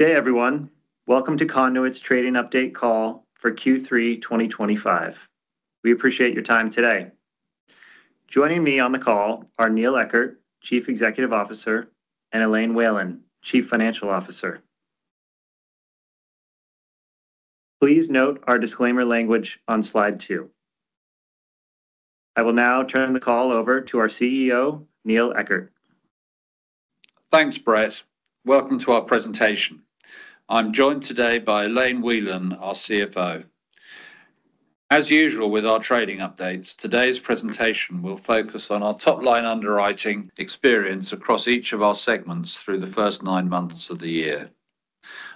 Good day everyone. Welcome to Conduit's Trading Update Call for Q3 2025. We appreciate your time today. Joining me on the call are Neil Eckert, Chief Executive Officer, and Elaine Whelan, Chief Financial Officer. Please note our disclaimer language on slide two. I will now turn the call over to our CEO, Neil Eckert. Thanks Brett. Welcome to our presentation. I'm joined today by Elaine Whelan, our CFO. As usual with our trading updates, today's presentation will focus on our top line underwriting experience across each of our segments through the first nine months of the year.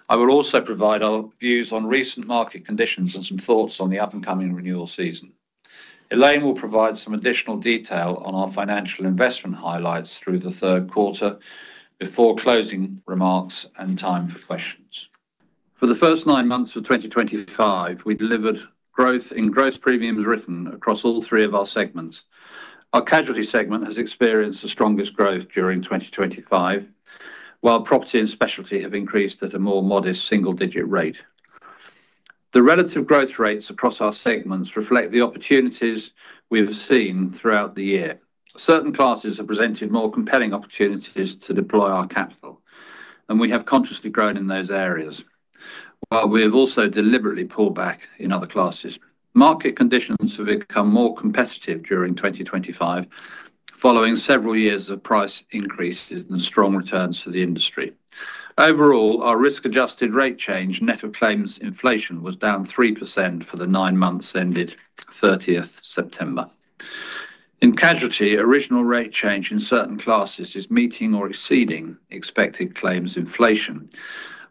I will also provide our views on recent market conditions and some thoughts on the up and coming renewal season. Elaine will provide some additional detail on our financial investment highlights through the third quarter before closing remarks and time for questions. For the first nine months of 2025. We delivered growth in gross premiums written. Across all three of our segments. Our casualty segment has experienced the strongest. Growth during 2025 while property and specialty. Have increased at a more modest single digit rate. The relative growth rates across our segments reflect the opportunities we have seen throughout the year. Certain classes have presented more compelling opportunities to deploy our capital, and we have consciously grown in those areas while we have also deliberately pulled back in other classes. Market conditions have become more competitive during 2025 following several years of price increases and strong returns for the industry. Overall, our risk adjusted rate change net of claims inflation was down 3% for the nine months ended 30th September. In casualty, original rate change in certain classes is meeting or exceeding expected claims inflation,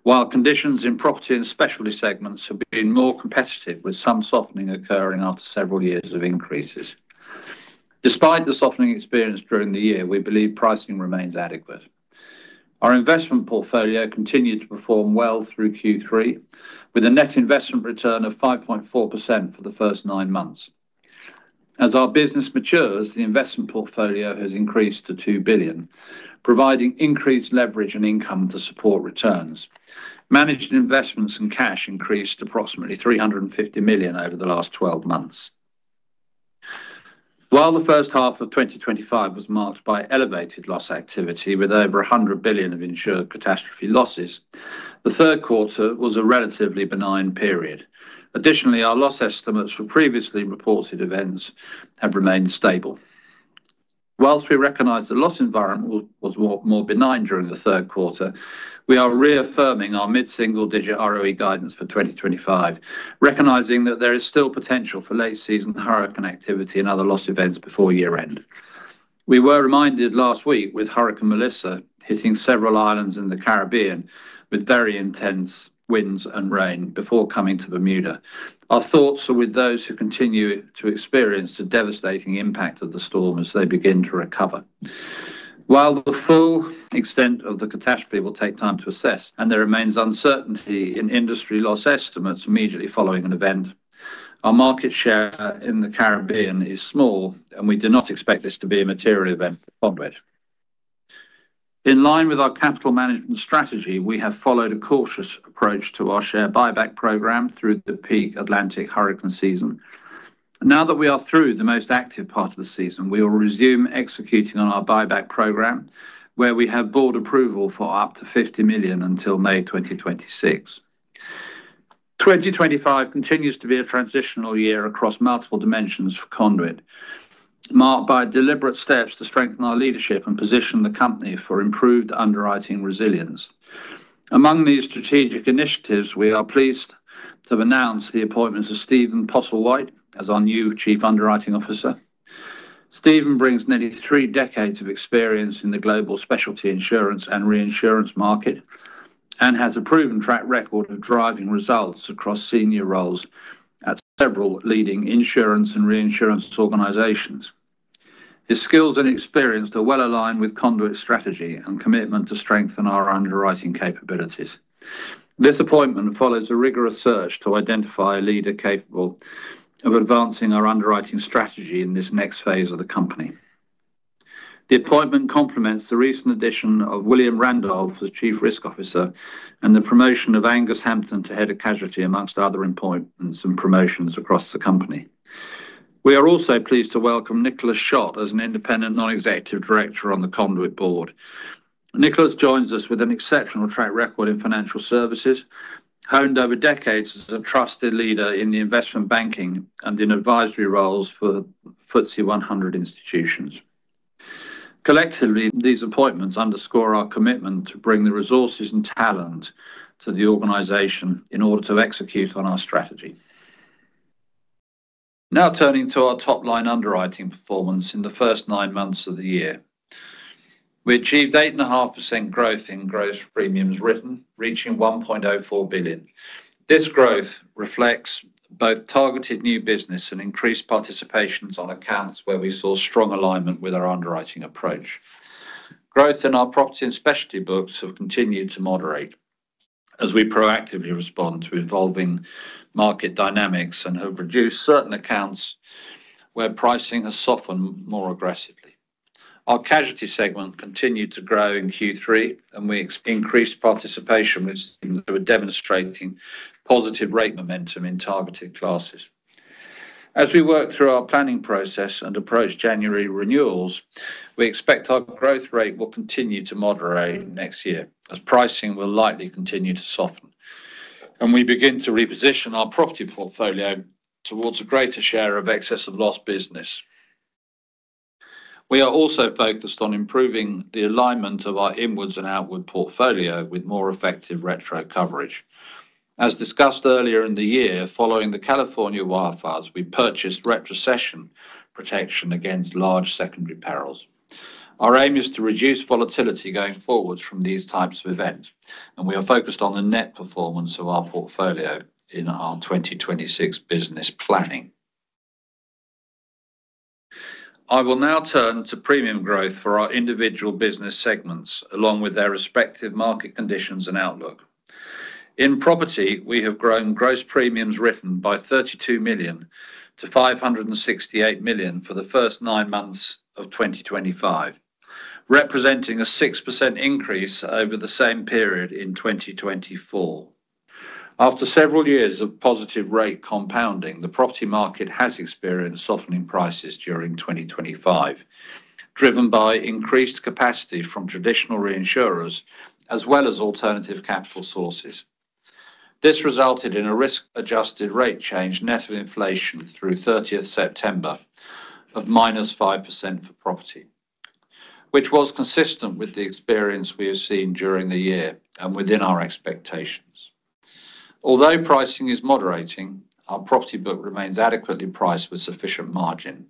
while conditions in property and specialty segments have been more competitive with some softening occurring after several years of increases. Despite the softening experienced during the year, we believe pricing remains adequate. Our investment portfolio continued to perform well through Q3 with a net investment return of 5.4% for the first nine months. As our business matures, the investment portfolio has increased to $2 billion, providing increased leverage and income to support returns. Managed investments and cash increased approximately $350 million over the last 12 months. While the first half of 2025 was marked by elevated loss activity with over $100 billion of insured catastrophe losses, the third quarter was a relatively benign period. Additionally, our loss estimates for previously reported events have remained steady. Whilst we recognize the loss environment was more benign during the third quarter. We are reaffirming our mid-single digit ROE guidance for 2025, recognizing that there is still potential for late season hurricane activity and other loss events before year end. We were reminded last week with Hurricane Melissa hitting several islands in the Caribbean with very intense winds and rain before coming to Bermuda. Our thoughts are with those who continue to experience the devastating impact of the storm as they begin to rec. While the full extent of the catastrophe will take time to assess and there remains uncertainty in industry loss estimates immediately following an event, our market share in the Caribbean is small and we do not expect this to be a material event. In line with our capital management strategy we have followed a cautious approach to our share buyback program through the peak Atlantic hurricane season. Now that we are through the most active part of the season, we will resume executing on our buyback program where we have Board approval for up to $50 million until May 2026. 2025 continues to be a transitional year across multiple dimensions for Conduit, marked by deliberate steps to strengthen our leadership and position the company for improved underwriting resilience. Among these strategic initiatives, we are pleased to have announced the appointment of Stephen Postlewhite as our new Chief Underwriting Officer. Stephen brings nearly three decades of experience in the global specialty insurance and reinsurance market and has a proven track record. Of driving results across senior roles at several leading insurance and reinsurance organisations. His skills and experience are well aligned with Conduit strategy and commitment to strengthen our underwriting capabilities. This appointment follows a rigorous search to identify a leader capable of advancing our underwriting strategy in this next phase of the company. The appointment complements the recent addition of William Randolph as Chief Risk Officer and the promotion of Angus Hampton to head a casualty amongst other employments and promotions across the company. We are also pleased to welcome Nicholas Schott as an Independent Non-executive Director on the Conduit Board. Nicholas joins us with an exceptional track record in financial services honed over decades as a trusted leader in the investment banking and in advisory roles for FTSE 100 institutions. Collectively these appointments underscore our commitment to bring the resources and talent to the organization in order to execute on our strategy. Now turning to our top line underwriting performance. In the first nine months of the year we achieved 8.5% growth in gross premiums written reaching $1.04 billion. This growth reflects both targeted new business and increased participations on accounts where we saw strong alignment with our underwriting approach. Growth in our property and specialty books has continued to moderate as we proactively respond to evolving market dynamics and have reduced certain accounts where pricing has softened more aggressively. Our casualty segment continued to grow in Q3 and we increased participation, demonstrating positive rate momentum in targeted classes. As we work through our planning process and approach January renewals, we expect our growth rate will continue to moderate next year as pricing will likely continue to soften and we begin to reposition our property portfolio towards a greater share of excess of loss business. We are also focused on improving the alignment of our inwards and outward portfolio with more effective retro coverage. As discussed earlier in the year, following the California wildfires, we purchased retrocession protection against large secondary perils. Our aim is to reduce volatility going forwards from these types of events and we are focused on the net performance of our portfolio in our 2026 business planning. I will now turn to premium growth for our individual business segments along with their respective market conditions and outlook. In property, we have grown gross premiums written by $32 million to $568 million for the first nine months of 2025, representing a 6% increase over the same period in 2024. After several years of positive rate compounding, the property market has experienced softening prices during 2025, driven by increased capacity from traditional reinsurers as well as alternative capital sources. This resulted in a risk adjusted rate change net of inflation through 30th September of -5% for property, which was consistent with the experience we have seen during the year and within our expectations. Although pricing is moderating, our property book remains adequately priced with sufficient margin.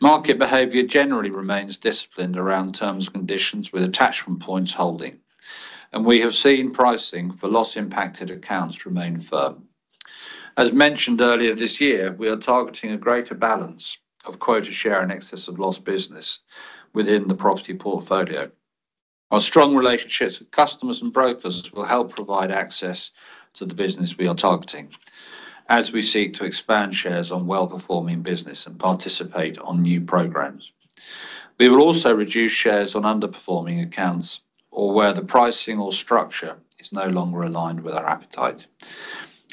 Market behavior generally remains disciplined around terms and conditions with attachment points holding, and we have seen pricing for loss-impacted accounts remain firm. As mentioned earlier this year, we are targeting a greater balance of quota share and excess of loss business within the property portfolio. Our strong relationships with customers and brokers will help provide access to the business we are targeting as we seek to expand shares on well-performing business and participate on new programs. We will also reduce shares on underperforming accounts or where the pricing or structure is no longer aligned with our appetite.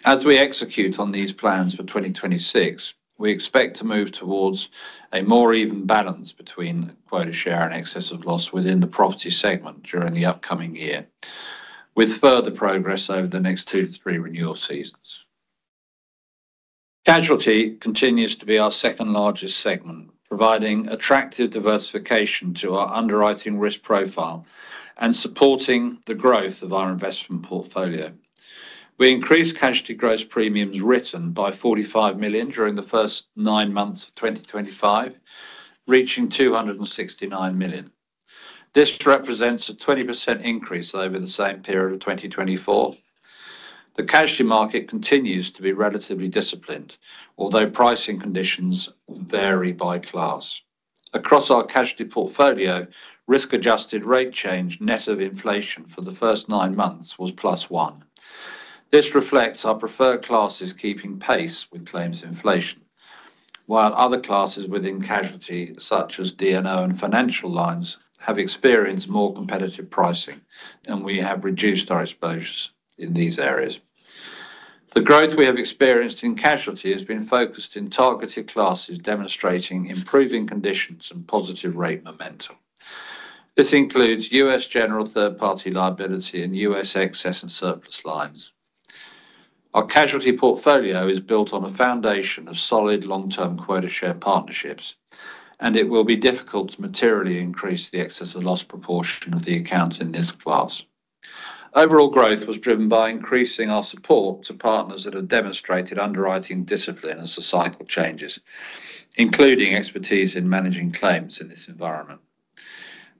As we execute on these plans for 2026, we expect to move towards a more even balance between quota share and excess of loss within the property segment during the upcoming year, with further progress over the next two to three renewal seasons. Casualty continues to be our second largest segment providing attractive diversification to our underwriting risk profile and supporting the growth of our investment portfolio. We increased casualty gross premiums written by $45 million during the first nine months of 2025 reaching $269 million. This represents a 20% increase over the same period of 2024. The casualty market continues to be relatively disciplined although pricing conditions vary by class across our casualty portfolio. Risk adjusted rate change net of inflation for the first nine months was +1%. This reflects our preferred classes keeping pace with claims inflation while other classes within casualty such as D&O and financial lines have experienced more competitive pricing and we have reduced our exposures in these areas. The growth we have experienced in casualty has been focused in targeted classes demonstrating improving conditions and positive rate momentum. This includes U.S. General Third Party Liability and U.S. Excess and Surplus Lines. Our casualty portfolio is built on a foundation of solid long term quota share partnerships and it will be difficult to materially increase the excess or loss proportion of the account in this class. Overall growth was driven by increasing our support to partners that have demonstrated underwriting discipline as the cycle changes, including expertise in managing claims in this environment.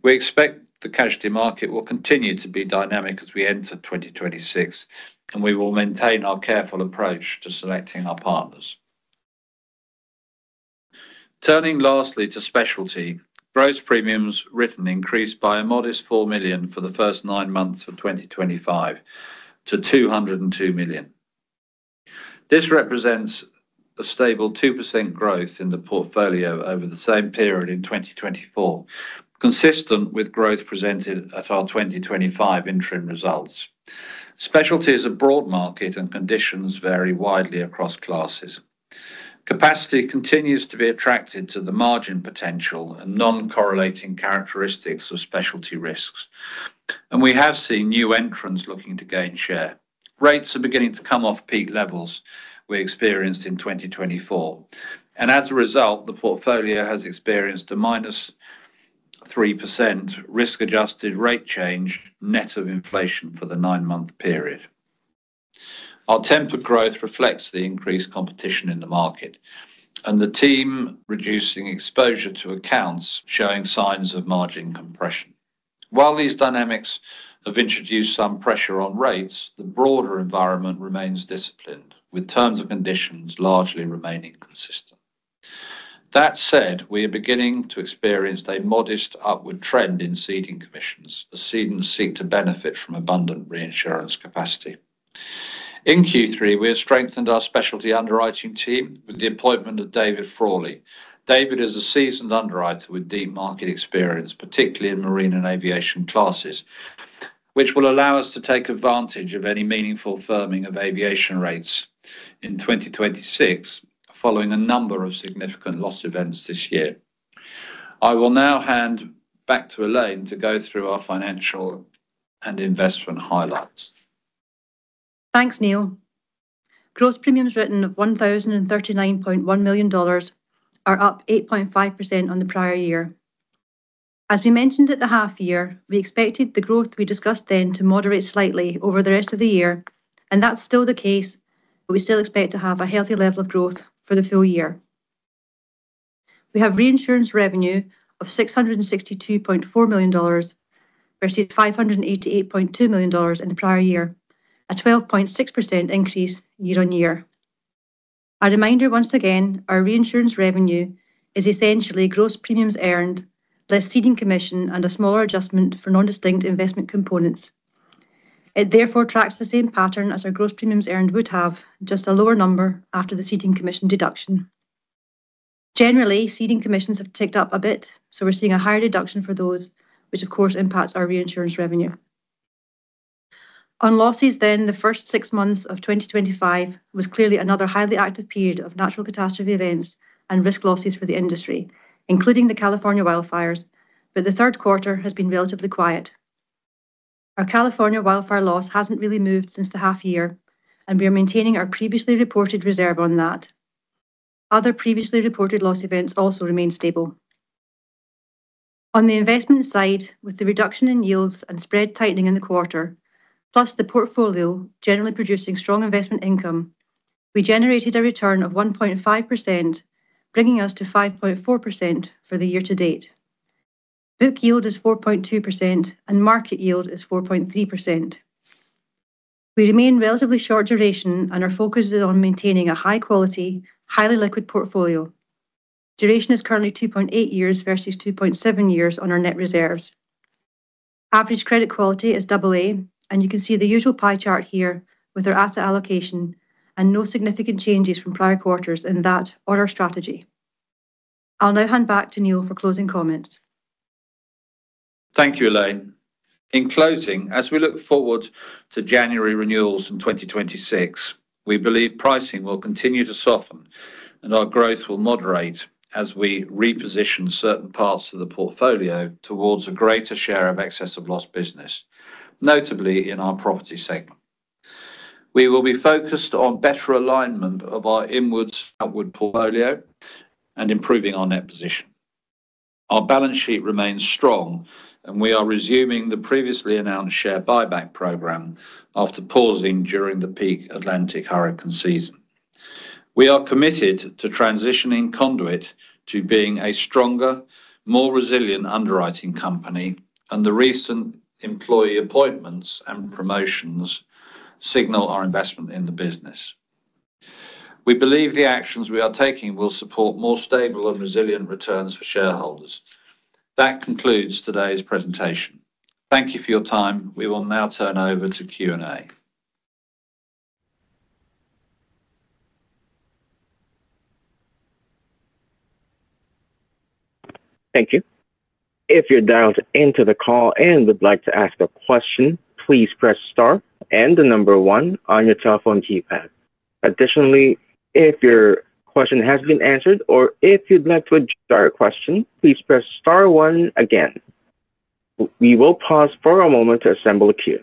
We expect the casualty market will continue to be dynamic as we enter 2026 and we will maintain our careful to selecting our partners. Turning lastly to specialty, gross premiums written increased by a modest $4 million for the first nine months of 2025 to $202 million. This represents a stable 2% growth in the portfolio over the same period in 2024, consistent with growth presented at our 2025 Interim Results. Specialty is a broad market and conditions vary widely across classes. Capacity continues to be attracted to the margin potential and non-correlating characteristics of specialty risks and we have seen new entrants looking to gain share. Rates are beginning to come off peak levels we experienced in 2024 and as a result the portfolio has experienced a -3% risk adjusted rate change net of inflation for the nine month period. Our tempered growth reflects the increased competition in the market and the team reducing exposure to accounts showing signs of margin compression. While these dynamics have introduced some pressure on rates, the broader environment remains disciplined with terms and conditions largely remaining consistent. That said, we are beginning to experience a modest upward trend in ceding commissions as cedents seek to benefit from abundant reinsurance capacity in Q3. We have strengthened our specialty underwriting team with the appointment of David Frawley. David is a seasoned underwriter with deep market experience, particularly in marine and aviation classes, which will allow us to take advantage of any meaningful firming of aviation rates in 2026. Following a number of significant loss events this year, I will now hand back to Elaine to go through our financial investment highlights. Thanks Neil. Gross premiums written of $1,039.1 million are up 8.5% on the prior year. As we mentioned at the half year we expected the growth we discussed then to moderate slightly over the rest of the year and that's still the case but we still expect to have a healthy level of growth for the full year. We have reinsurance revenue of $662.4 million versus $588.2 million in the prior year, a 12.6% increase year-on-year. A reminder once again our reinsurance revenue is essentially gross premiums earned, less ceding commission and a smaller adjustment for non distinct investment components. It therefore tracks the same pattern as our gross premiums earned would have just a lower number after the ceding commission deduction. Generally ceding commissions have ticked up a bit so we're seeing a higher deduction for those which of course impacts our reinsurance revenue. On losses, then, the first six months of 2025 was clearly another highly active period of natural catastrophe events and risk losses for the industry, including the California Wildfires, but the third quarter has been relatively quiet. Our California Wildfire loss hasn't really moved since the half year and we are maintaining our previously reported reserve on that other previously reported loss. Events also remain stable on the investment side, with the reduction in yields and spread tightening in the quarter plus the portfolio generally producing strong investment income. We generated a return of 1.5% bringing us to 5.4% for the year-to-date. Book yield is 4.2% and market yield is 4.3%. We remain relatively short duration and are focused on maintaining a high quality, highly liquid portfolio. Duration is currently 2.8 years versus 2.7 years on our net reserves. Average credit quality is double A and you can see the usual pie chart here with our asset allocation and no significant changes from prior quarters in that order. Strategy. I'll now hand back to Neil for closing comments. Thank you, Elaine. In closing, as we look forward to January renewals in 2026, we believe pricing will continue to soften and our growth will moderate as we reposition certain parts of the portfolio towards a greater share of excess of loss business. Notably, in our property segment, we will be focused on better alignment of our inwards outward portfolio and improving our net position. Our balance sheet remains strong and we are resuming the previously announced share buyback program after pausing during the peak Atlantic hurricane season. We are committed to transitioning Conduit to being a stronger, more resilient underwriting company and the recent employee appointments and promotions signal our investment in the business. We believe the actions we are taking will support more stable and resilient returns for shareholders. That concludes today's presentation. Thank you for your time. We will now turn over to Q&A. Thank you. If you're dialed into the call and would like to ask a question, please press star and the number one on your telephone keypad. Additionally, if your question has been answered or if you'd like to address our question, please press star one. Again, we will pause for a moment to assemble the queue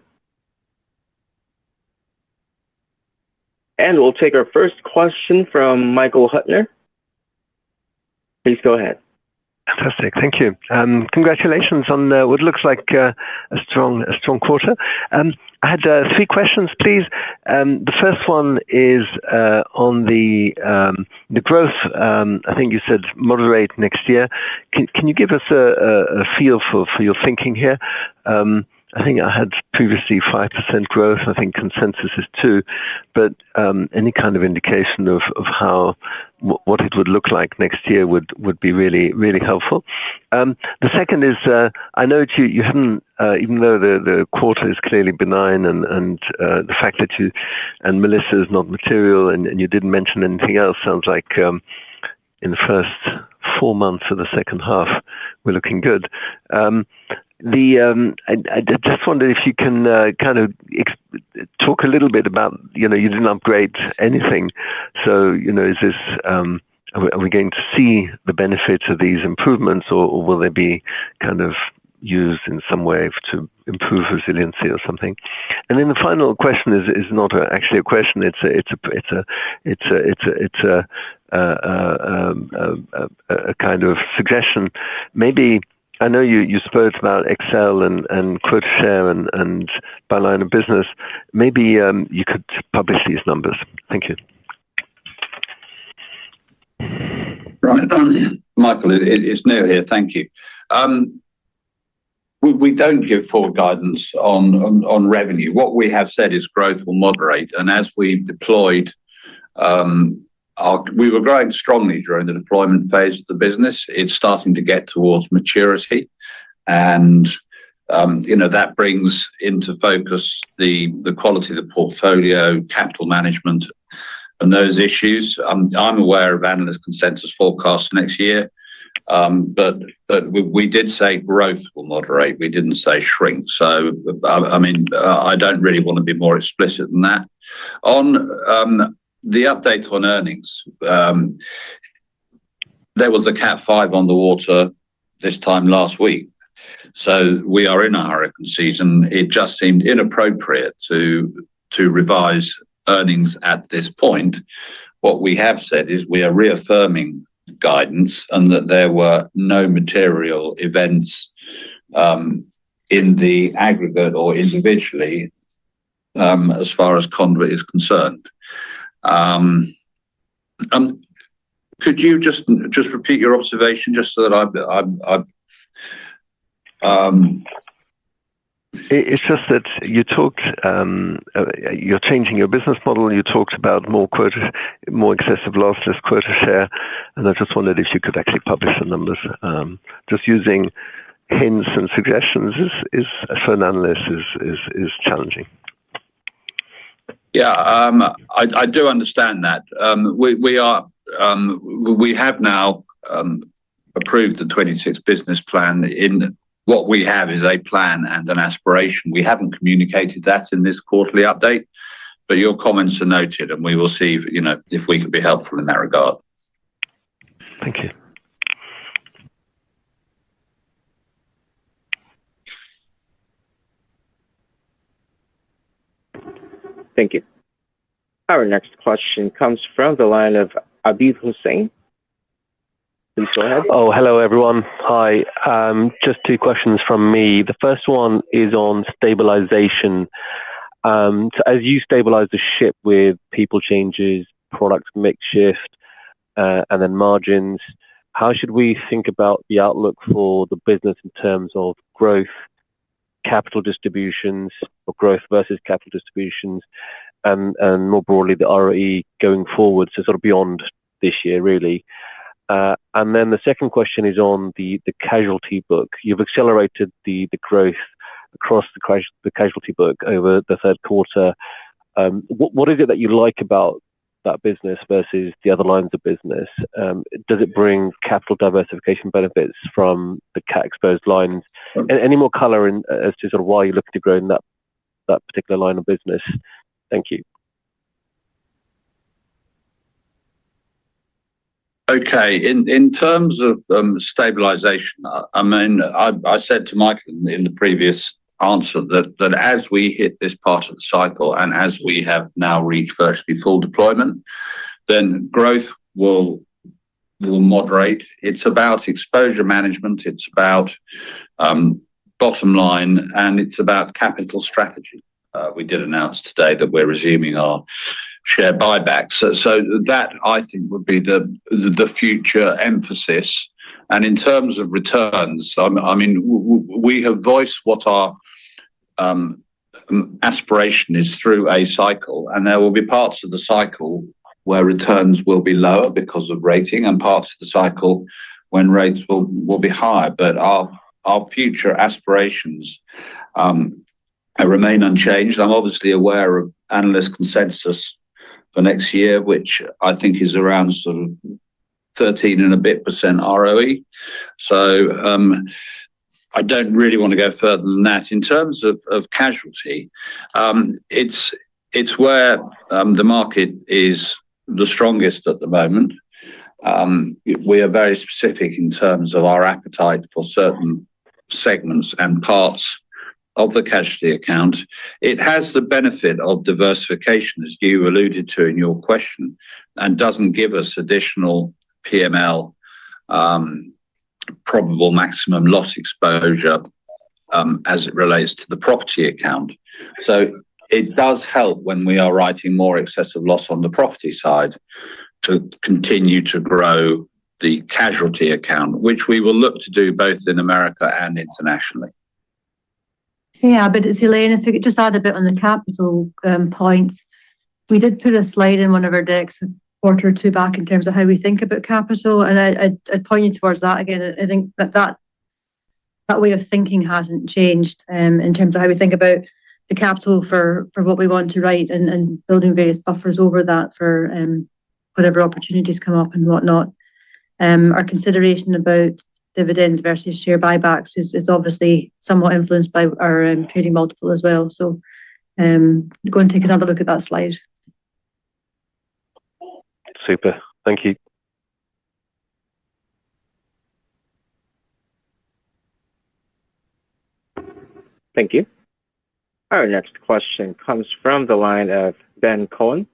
and we'll take our first question from Michael Huttner. Please go ahead. Fantastic. Thank you. Congratulations on what looks like a strong quarter. I had three questions, please. The first one is on the growth. I think you said moderate next year. Can you give us a feel for your thinking here? I think I had previously 5% growth. I think consensus is 2%. But any kind of indication of how, what it would look like next year would be really, really helpful. The second is I know you haven't, even though the quarter is clearly benign and the fact that you and Melissa is not material and you didn't mention anything else sounds like in the first four months of the second half we're looking good. I just wondered if you can kind of talk a little bit about, you know, you didn't upgrade anything. You know, is this, are we going to see the benefits of these improvements or will they be kind of used in some way to improve resiliency or something? The final question is not actually a question, it's a kind of suggestion. Maybe. I know you spoke about Excel and quota share and by line of business. Maybe you could publish these numbers. Thank you. Right, Michael. It's new here. Thank you. We don't give forward guidance on revenue. What we have said is growth will moderate and as we've deployed, we were growing strongly during the deployment phase of the business. It's starting to get towards maturity and you know, that brings into focus the quality of the portfolio, capital management, and those issues. I'm aware of analyst consensus forecast next year. But we did say growth will moderate. We didn't say shrink. I mean, I don't really want to be more explicit than that on the update on earnings. There was a Cat 5 on the water this time last week. We are in a hurricane season. It just seemed inappropriate to revise earnings at this point. What we have said is we are reaffirming guidance and that there were no material events in the aggregate or individually as far as Conduit is concerned. Could you just repeat your observation just so that. It's just that you talked, you're changing your business model. You talked about more quotas, more excess of loss, less quota share. I just wondered if you could actually publish the numbers. Just using hints and suggestions for an analyst is challenging. Yeah, I do understand that. We have now approved the 2026 business plan and what we have is a plan and an aspiration. We have not communicated that in this quarterly update, but your comments are noted and we will see if we can be helpful in that regard. Thank you. Thank you. Our next question comes from the line of Abid Hussain. Please go ahead. Oh, hello everyone. Hi. Just two questions from me. The first one is on stabilization. As you stabilize the ship with people, changes, product mix shift and then margins. How should we think about the outlook? For the business in terms of growth capital distributions or growth versus capital distributions and more broadly the ROE going forward, so beyond this year really. The second question is on the casualty book. You've accelerated the growth across the casualty. Book over the third quarter. What is it that you like about that business versus the other lines of business? Does it bring capital diversification benefits from the cat exposed lines? Any more color as to sort of why you're looking to grow in that particular line of business? Thank you. Okay. In terms of stabilization, I mean I said to Michael in the previous answer that as we hit this part of the cycle and as we have now reached virtually full deployment, growth will moderate. It is about exposure management, it is about bottom line and it is about capital strategy. We did announce today that we are resuming our share buyback. That I think would be the future emphasis. In terms of returns, I mean we have voiced what our aspiration is through a cycle and there will be parts of the cycle where returns will be lower because of rating and parts of the cycle when rates will be higher. Our future aspirations remain unchanged. I am obviously aware of analyst consensus for next year which I think is around sort of 13 and a bit % ROE. I don't really want to go further than that. In terms of casualty, it's where the market is the strongest at the moment. We are very specific in terms of our appetite for certain segments and parts of the casualty account. It has the benefit of diversification as you alluded to in your question and doesn't give us additional PML probable maximum loss exposure as it relates to the property account. It does help when we are writing more excess of loss on the property side to continue to grow the casualty account, which we will look to do both in America and internationally. Yeah, but it's. Elaine, if you could just add a bit on the capital points. We did put a slide in one of our decks a quarter or two back in terms of how we think about capital and I'd point you towards that again. I think that way of thinking hasn't changed in terms of how we think about the capital for what we want to write and building various buffers over that for whatever opportunities come up and whatnot. Our consideration about dividends versus share buybacks is obviously somewhat influenced by our trading multiple as well. Go and take another look at that slide. Super, thank you. Thank you. Our next question comes from the line of Ben Cohen.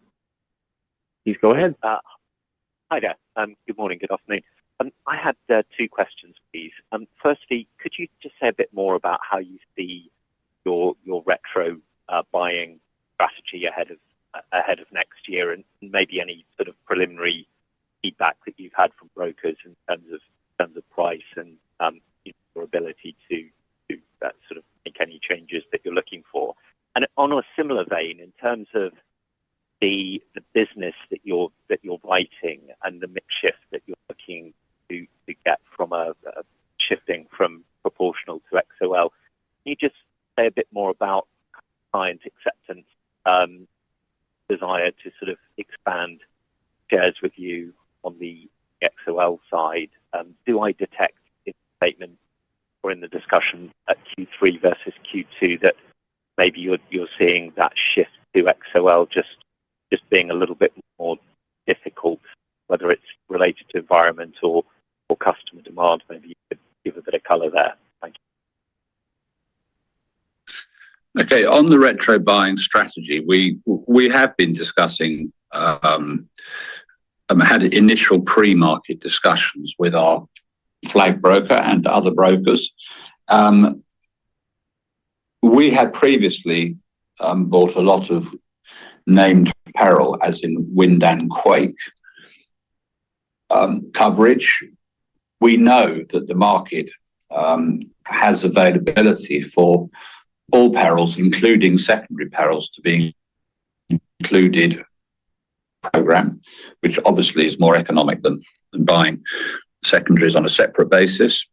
Please go ahead. Hi there. Good morning. Good afternoon. I had two questions please. Firstly, could you just say a bit more about how you see your retro buying strategy ahead of next year and maybe any sort of preliminary feedback that you've had from brokers in terms of price and your ability to sort of make any changes that you're looking for. On a similar vein in terms of the business that you're writing and the mix shift that you're looking to get from a shifting from proportional to XoL, can you just say a bit more about client acceptance, desire to sort of expand shares with you on the XoL side. Do I detect in the statement or in the discussion at Q3 versus Q2 that maybe you're seeing that shift to XoL just. Just being a little bit more difficult whether it's related to environment or customer demand. Maybe you could give a bit of color there. Thank you. Okay. On the retro buying strategy we have been discussing, had initial pre-market discussions with our flag broker and other brokers. We had previously bought a lot of named peril, as in wind and quake coverage. We know that the market has availability for all perils, including secondary perils, to be included in the program, which obviously is more economic than buying secondaries on a separate basis.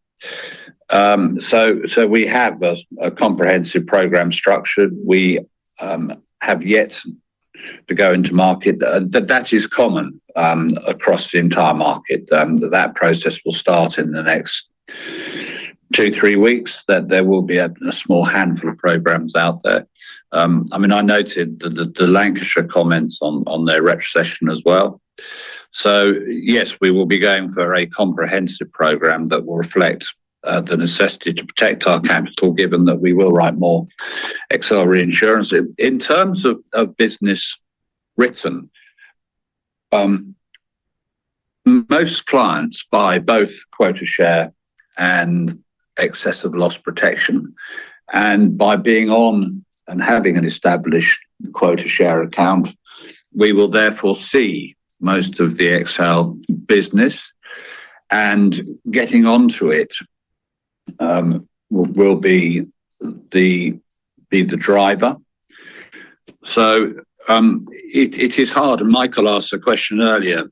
So we have a comprehensive program structured. We have yet to go into market; that is common across the entire market. That process will start in the next two, three weeks, that there will be a small handful of programs out there. I mean, I noted the Lancashire comments on their retrocession as well. Yes, we will be going for a comprehensive program that will reflect the necessity to protect our capital given that we will write more accelerated insurance in terms of business written. Most clients buy both quota share and excess of loss protection, and by being on and having an established quota share account, we will therefore see most of the XoL business. Getting onto it, we will be the driver. It is hard, and Michael asked a question earlier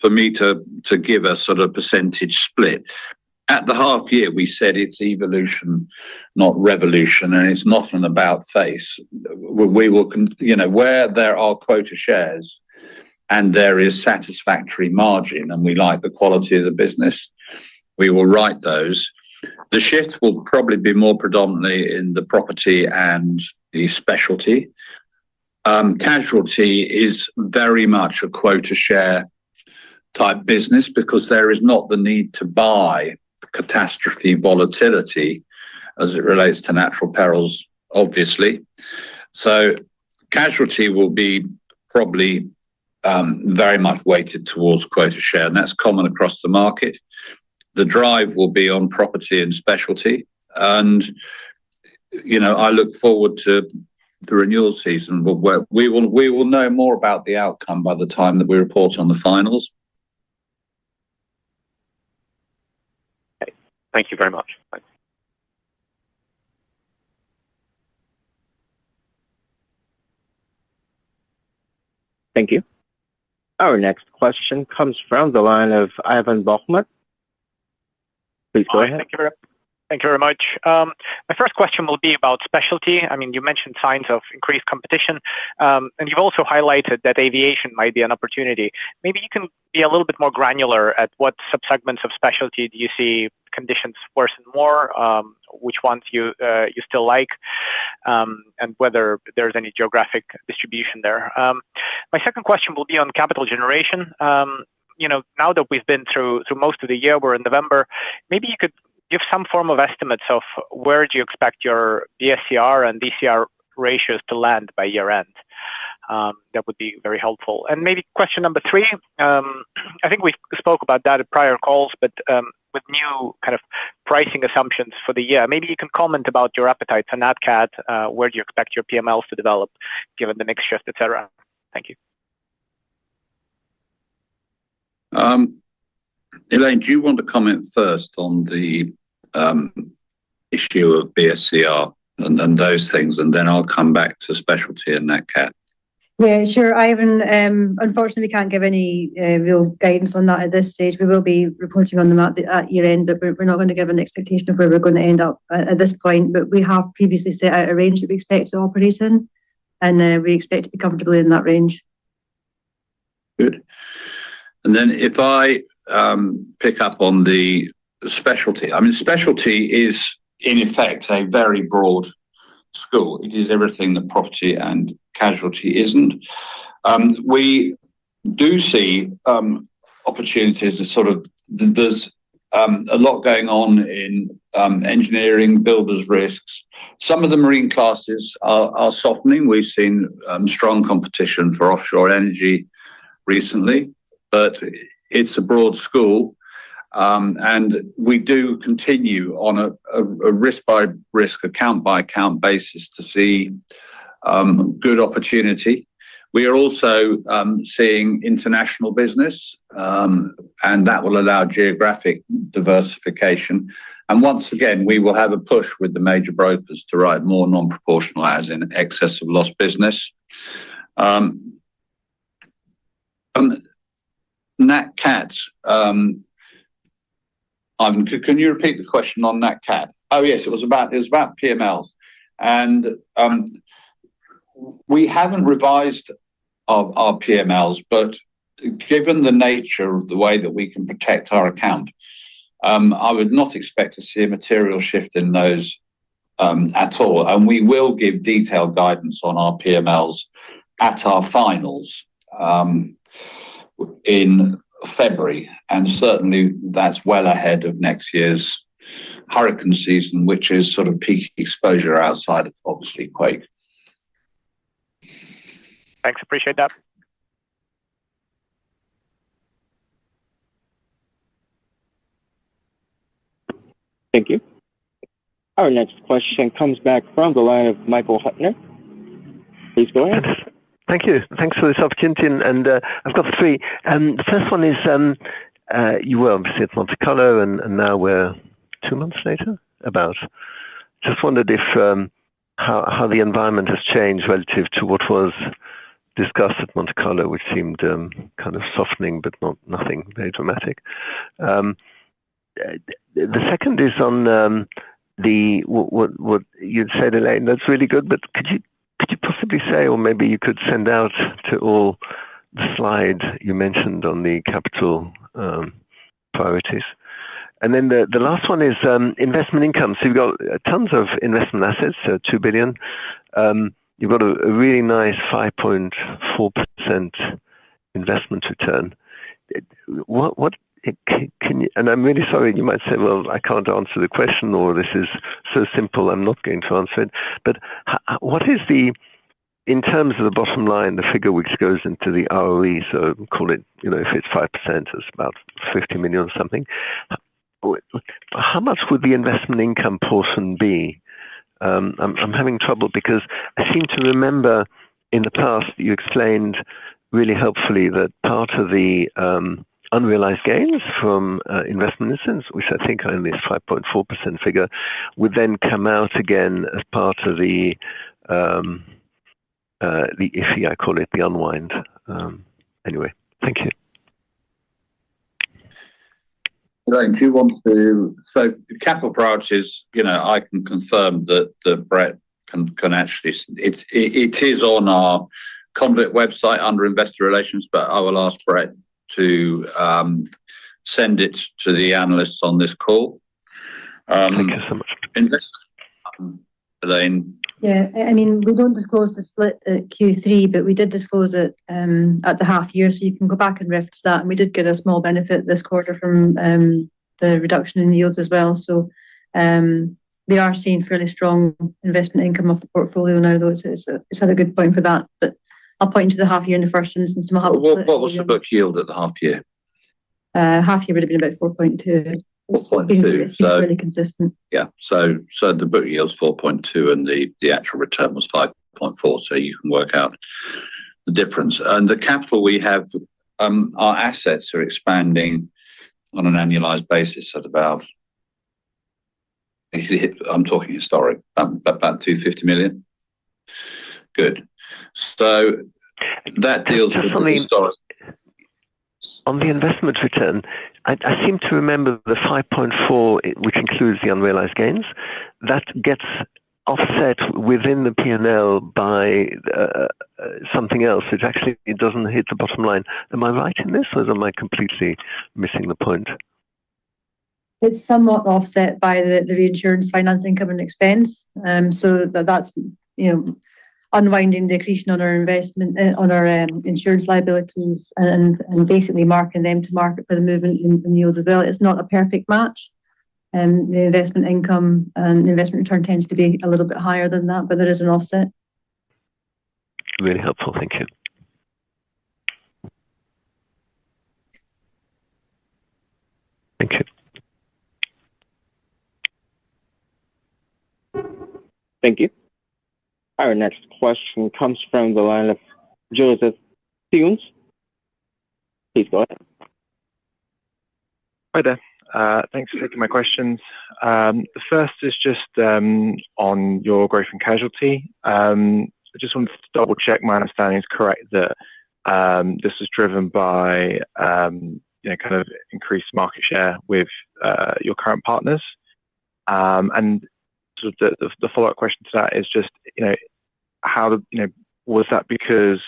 for me to give a sort of percentage split at the half year. We said it's evolution, not revolution, and it's not an about face. We will, you know, where there are quota shares and there is satisfactory margin and we like the quality of the business, we will write those. The shift will probably be more predominantly in the property and the specialty. Casualty is very much a quota share type business because there is not the need to buy catastrophe volatility as it relates to natural perils, obviously. Casualty will be probably very much weighted towards quota share, and that's common across the market. The drive will be on property and specialty. You know, I look forward to the renewal season. We will know more about the outcome by the time that we report on the finals. Thank you very much. Thank you. Our next question comes from the line of Ivan Bachman. Please go ahead. Thank you very much. My first question will be about specialty. I mean you mentioned signs of increased competition and you've also highlighted that aviation might be an opportunity. Maybe you can be a little bit more granular at what subsegments of specialty do you see conditions worsen more, which ones you still like, and whether there's any geographic distribution there. My second question will be on capital generation. Now that we've been through most of the year, we're in November, maybe you could give some form of estimates of where do you expect your BSCR and DCR ratios to land by year end? That would be very helpful and maybe question number three, I think we spoke about that at prior calls, but with new kind of pricing assumptions for the year. Maybe you can comment about your appetite for Nat Cat. Where do you expect your PMLs to develop given the mix shift, etc. Thank you. Elaine. Do you want to comment first on the issue of BSCR and those things and then I'll come back to specialty and Nat Cat. Yeah, sure, Ivan. Unfortunately we can't give any real guidance on that at this stage. We will be reporting on the map at year end, but we're not going to give an expectation of where we're going to end up at this point. We have previously set out a range that we expect to operate in and we expect to be comfortably in that range. Good. If I pick up on the specialty, I mean specialty is in effect a very broad school. It is everything that property and casualty is not. We do see opportunities. There is a lot going on in engineering builders, risks. Some of the marine classes are softening. We have seen strong competition for offshore energy recently. It is a broad school and we do continue on a risk by risk, account by account basis to see good opportunity. We are also seeing international business and that will allow geographic diversification. Once again we will have a push with the major brokers to write more non-proportional as in excess of loss business. Nat Cat. Ivan, can you repeat the question on Nat Cat? Oh yes, it was about PMLs and we have not revised our PMLs. Given the nature of the way that we can protect our account, I would not expect to see a material shift in those at all. We will give detailed guidance on our PMLs at our finals in February. Certainly, that is well ahead of next year's hurricane season, which is sort of peak exposure outside of obviously quake. Thanks, appreciate that. Thank you. Our next question comes back from the line of Michael Huttner. Please go ahead. Thank you. Thanks for this opportunity. I've got three. The first one is you were obviously at Monte Carlo and now we're two months later. I just wondered if how the environment has changed relative to what was discussed at Monte Carlo, which seemed kind of softening but nothing very dramatic. The second is on. What you'd say. Elaine, that's really good but could you possibly say or maybe you could send out to all the slide you mentioned on the capital priorities. The last one is investment income. So you've got tons of investment assets, $2 billion. You've got a really nice 5.4% investment return. What. I'm really sorry you might say, well I can't answer the question or this is so simple I'm not going to answer it. What is the in terms of the bottom line, the figure which goes into the ROE. Call it, you know, if it's 5%, it's about $50 million or something. How much would the investment income portion be? I'm having trouble because I seem to remember in the past you explained really helpfully that part of the unrealized gains from investment incidents, which I think are in this 5.4% figure, would then come out again as part of the iffy. I call it the unwind. Anyway. Thank you. Do you want to, so capital branches, you know, I can confirm that Brett can actually, it is on our Conduit website under Investor Relations, but I will ask Brett to send it to the analysts on this call. Thank you so much. Elaine. Yeah, I mean we do not disclose the split at Q3, but we did disclose it at the half year. You can go back and reference that. We did get a small benefit this quarter from the reduction in yields as well. They are seeing fairly strong investment income of the portfolio. Now though, it is not a good point for that. I will point to the half year in the first instance. What was the book yield at the half year? Half year would have been about 4.2%. 4.2%. So? Really consistent. Yeah. The book yields 4.2% and the actual return was 5.4%. You can work out the difference. The capital we have, our assets are expanding on an annualized basis at about, I'm talking historic, about $250 million. Good. That deals with. On the investment return, I seem to remember the 5.4%, which includes the unrealized gains that gets offset within the P&L by something else. It actually does not hit the bottom line. Am I right in this or am I completely missing the point? It's somewhat offset by the reinsurance finance income and expense. That's, you know, unwinding the accretion on our investment, on our insurance liabilities and basically marking them to market for the movement in yields as well. It's not a perfect match and the investment income and investment return tends to be a little bit higher than that, but there is an offset. Very helpful, thank you. Thank you. Our next question comes from the line of Joseph Theuns. Please go ahead. Hi there. Thanks for taking my questions. The first is just on your growth in casualty. I just wanted to double check. My understanding is correct that this was driven by kind of increased market share with your current partners. The follow up question to that is just how was that? Because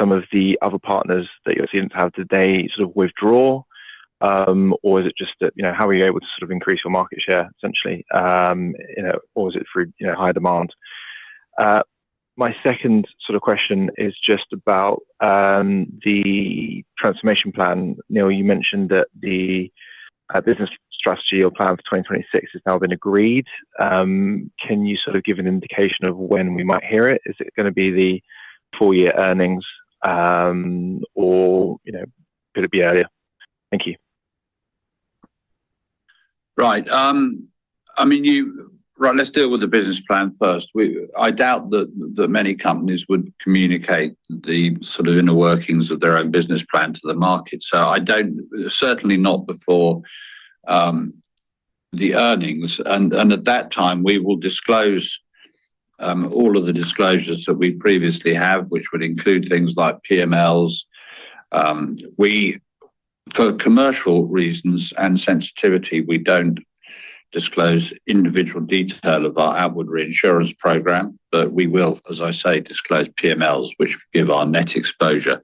some of the other partners that your cedents have, did they sort of withdraw or is it just that how are you able to sort of increase your market share essentially? Or is it through high demand? My second sort of question is just about the transformation plan. Neil, you mentioned that the business strategy or plan for 2026 has now been agreed. Can you sort of give an indication of when we might hear it? Is it going to be the full year earnings or could it be earlier? Thank you. Right. I mean you. Let's deal with the business plan first. I doubt that many companies would communicate the sort of inner workings of their own business plan to the market. I don't, certainly not before the earnings. At that time we will disclose all of the disclosures that we previously have, which would include things like PMLs. We, for commercial reasons and sensitivity, don't disclose individual detail of our outward reinsurance program. We will, as I say, disclose PMLs which give our net exposure.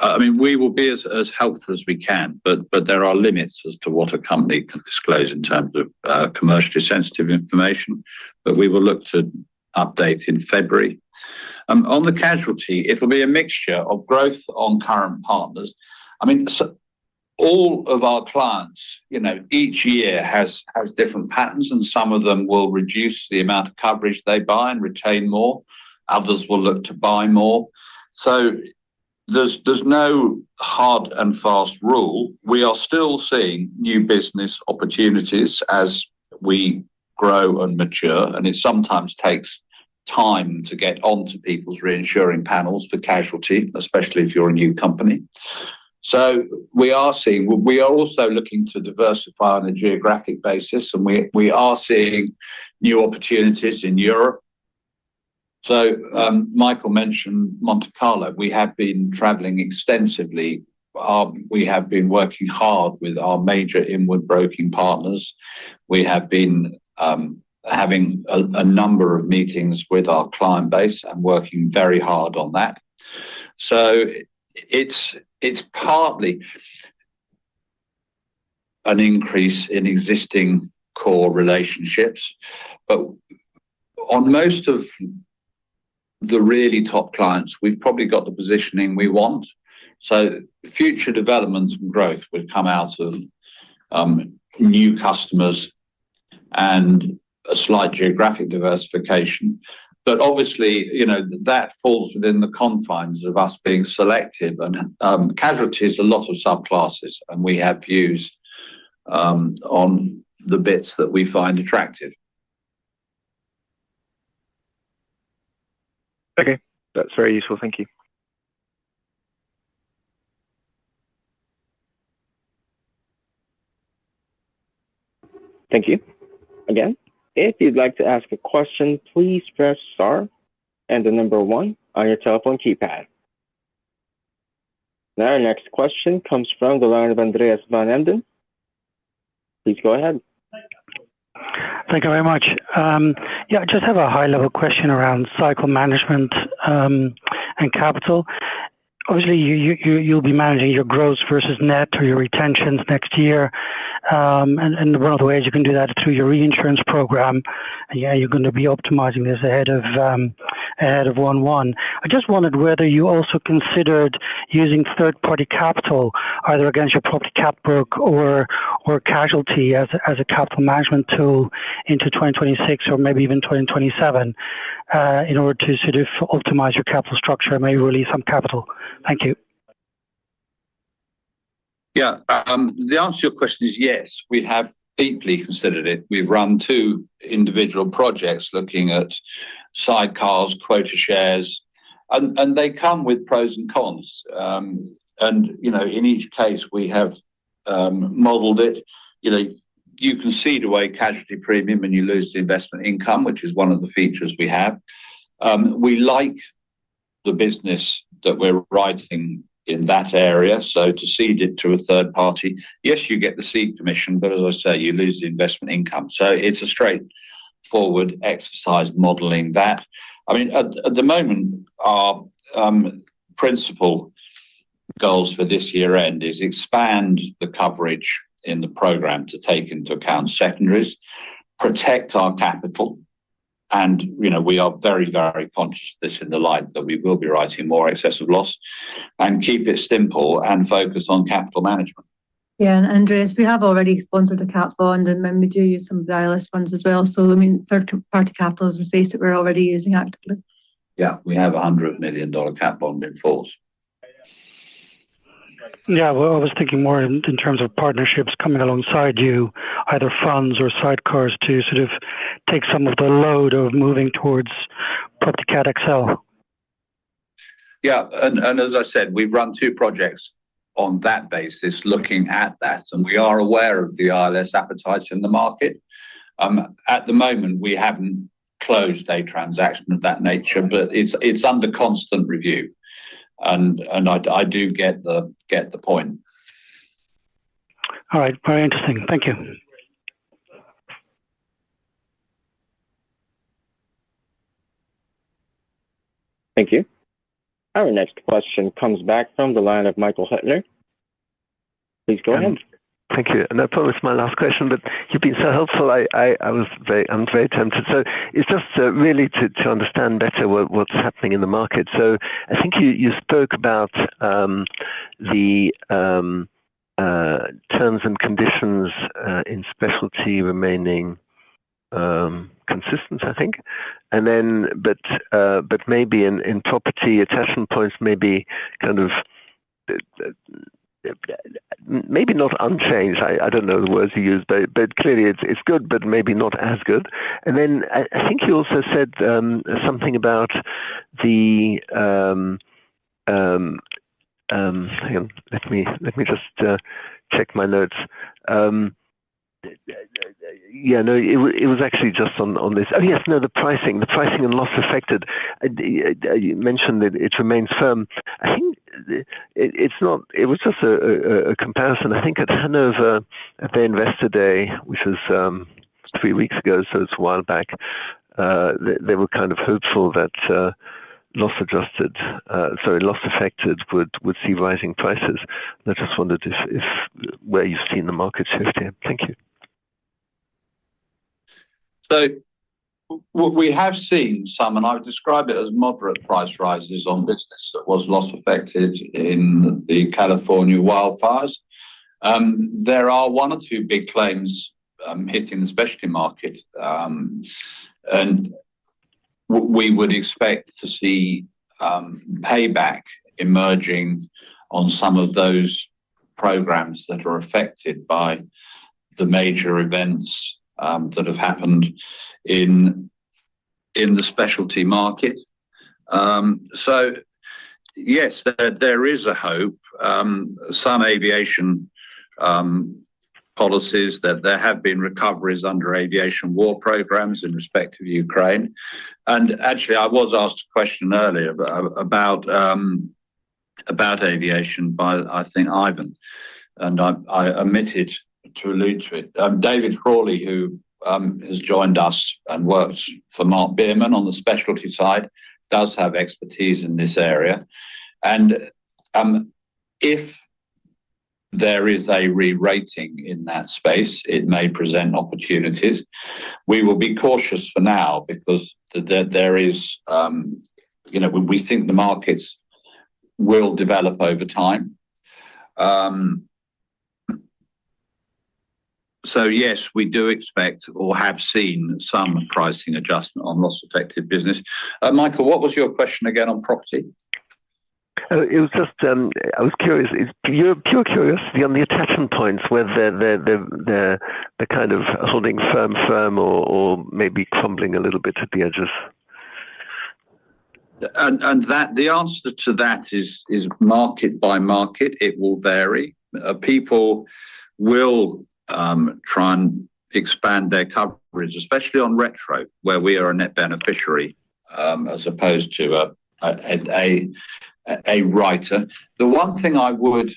I mean we will be as helpful as we can but there are limits as to what a company can disclose in terms of commercially sensitive information. We will look to update in February on the casualty. It will be a mixture of growth on current partners. I mean, all of our clients each year has different patterns and some of them will reduce the amount of coverage they buy and retain more, others will look to buy more. There is no hard and fast rule. We are still seeing new business opportunities as we grow and mature. It sometimes takes time to get onto people's reinsuring panels for casualty, especially if you are a new company. We are also looking to diversify on a geographic basis and we are seeing new opportunities in Europe. Michael mentioned Monte Carlo. We have been traveling extensively. We have been working hard with our major inward broking partners. We have been having a number of meetings with our client base and working very hard on that. It is partly an increase in existing core relationships, but on most of the really top clients we have probably got the positioning we want. Future development and growth would come out of new customers and a slight geographic diversification. Obviously, you know, that falls within the confines of us being selective and casualty is a lot of subclasses and we have views on the bits that we find attractive. Okay, that's very useful. Thank you. Thank you again. If you'd like to ask a question, please press star and the number one on your telephone keypad. Now our next question comes from the line of Andreas Van Embden. Please go ahead. Thank you very much. Yeah, I just have a high level question around cycle management and capital. Obviously you'll be managing your gross versus net or your retentions next year. One of the ways you can do that is through your reinsurance program. You're going to be optimizing this ahead of the 1:1. I just wondered whether you also considered using third party capital either against your property cat book or casualty as a capital management tool into 2026 or maybe even 2027 in order to sort of optimize your capital structure and maybe release some capital. Thank you. Yeah. The answer to your question is yes, we have deeply considered it. We've run two individual projects looking at sidecars, quota shares, and they come with pros and cons. You know, in each case we have modelled it, you know, you can see the way casualty premium and you lose the investment income, which is one of the features we have. We like the business that we're writing in that area. To cede it to a third party, yes, you get the ceding commission but as I say, you lose the investment income. It is a straightforward exercise modeling that. I mean at the moment our principal goals for this year end is expand the coverage in the program to take into account secondaries, protect our capital. You know, we are very, very conscious of this in the light that we will be writing more excess of loss and keep it simple and focus on capital management. Yeah. Andreas, we have already sponsored a Cat bond and we do use some of the ILS funds as well. I mean third party capital is a space that we're already using actively. Yeah, we have a $100 million Cat bond in force. Yeah. I was thinking more in terms of partnerships coming alongside you, either funds or sidecars to sort of take some of the load of moving towards prep to Cat Excel. Yeah. As I said, we've run two projects on that basis, looking at that, and we are aware of the ILS appetite in the market at the moment. We haven't closed a transaction of that nature, but it's under constant review and I do get the point. All right, very interesting. Thank you. Thank you. Our next question comes back from the line of Michael Huttner, please go ahead. Thank you. I promise my last question. You've been so helpful, I'm very tempted. It's just really to understand better what's happening in the market. I think you spoke about the terms and conditions in specialty remaining consistent, I think, but maybe in property attention points, maybe kind of, maybe not unchanged. I don't know the words you use, but clearly it's good, but maybe not as good. I think you also said something about the—let me just check my notes. Yeah, no, it was actually just on this. Oh yes. No, the pricing, the pricing and loss affected, you mentioned that it remains firm. I think it was just a comparison. I think at Hannover at the Investor Day, which is three weeks ago, so it's a while back, they were kind of hopeful that loss adjusted—sorry, loss affected would see rising prices. I just wondered where you've seen the market shift here. Thank you. We have seen some, and I describe it as moderate price rises on business that was loss affected in the California wildfires. There are one or two big claims hitting the specialty market, and we would expect to see payback emerging on some of those programs that are affected by the major events that have happened in the specialty market. Yes, there is a hope on some aviation policies that there have been recoveries under aviation war programs in respect to Ukraine. Actually, I was asked a question earlier about aviation by, I think, Ivan, and I omitted to allude to it. David Frawley, who has joined us and works for Marc Maurer on the specialty side, does have expertise in this area. If there is a re-rating in that space, it may present opportunities. We will be cautious for now because there is, you know, we think the markets will develop over time. So yes, we do expect or have seen some pricing adjustment on loss effective business. Michael, what was your question again on property? It was just, I was curious, pure curiosity on the attachment points where they're kind of holding firm or maybe crumbling a little bit at the edges. The answer to that is market by market, it will vary. People will try and expand their coverage, especially on retro where we are a net beneficiary as opposed to a writer. The one thing I would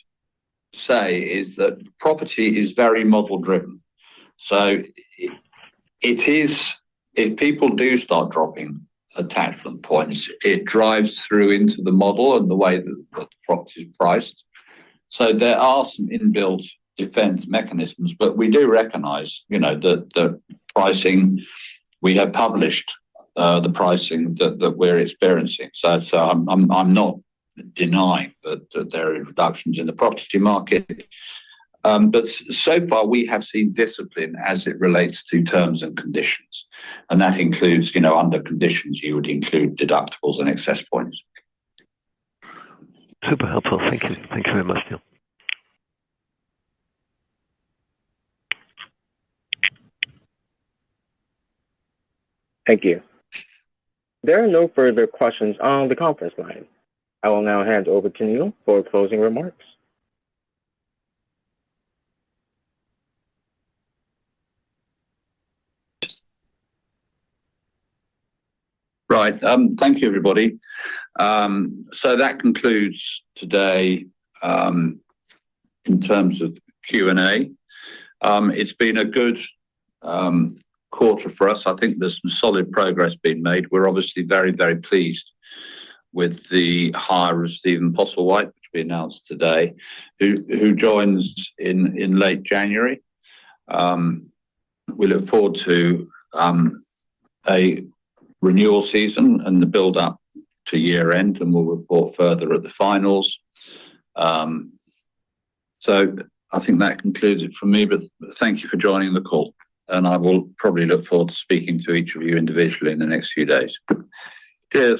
say is that property is very model driven. It is, if people do start dropping attachment points, it drives through into the model and the way that the property is priced. There are some inbuilt defense mechanisms. We do recognize, you know, that the pricing, we have published the pricing that we're experiencing. I'm not denying that there are reductions in the property market. So far we have seen discipline as it relates to terms and conditions. That includes, you know, under conditions you would include deductibles and access points. Super helpful. Thank you. Thank you very much, Neil. Thank you. There are no further questions on the conference line. I will now hand over to Neil for closing remarks. Right, thank you everybody. That concludes today in terms of Q&A. It's been a good quarter for us. I think there's some solid progress being made. We're obviously very, very pleased with the hire of Stephen Postlewhite, which we announced today, who joins in late January. We look forward to a renewal season and the build up to year end, and we'll report further at the finals. I think that concludes it from me. Thank you for joining the call, and I will probably look forward to speaking to each of you individually in the next few days. Cheers.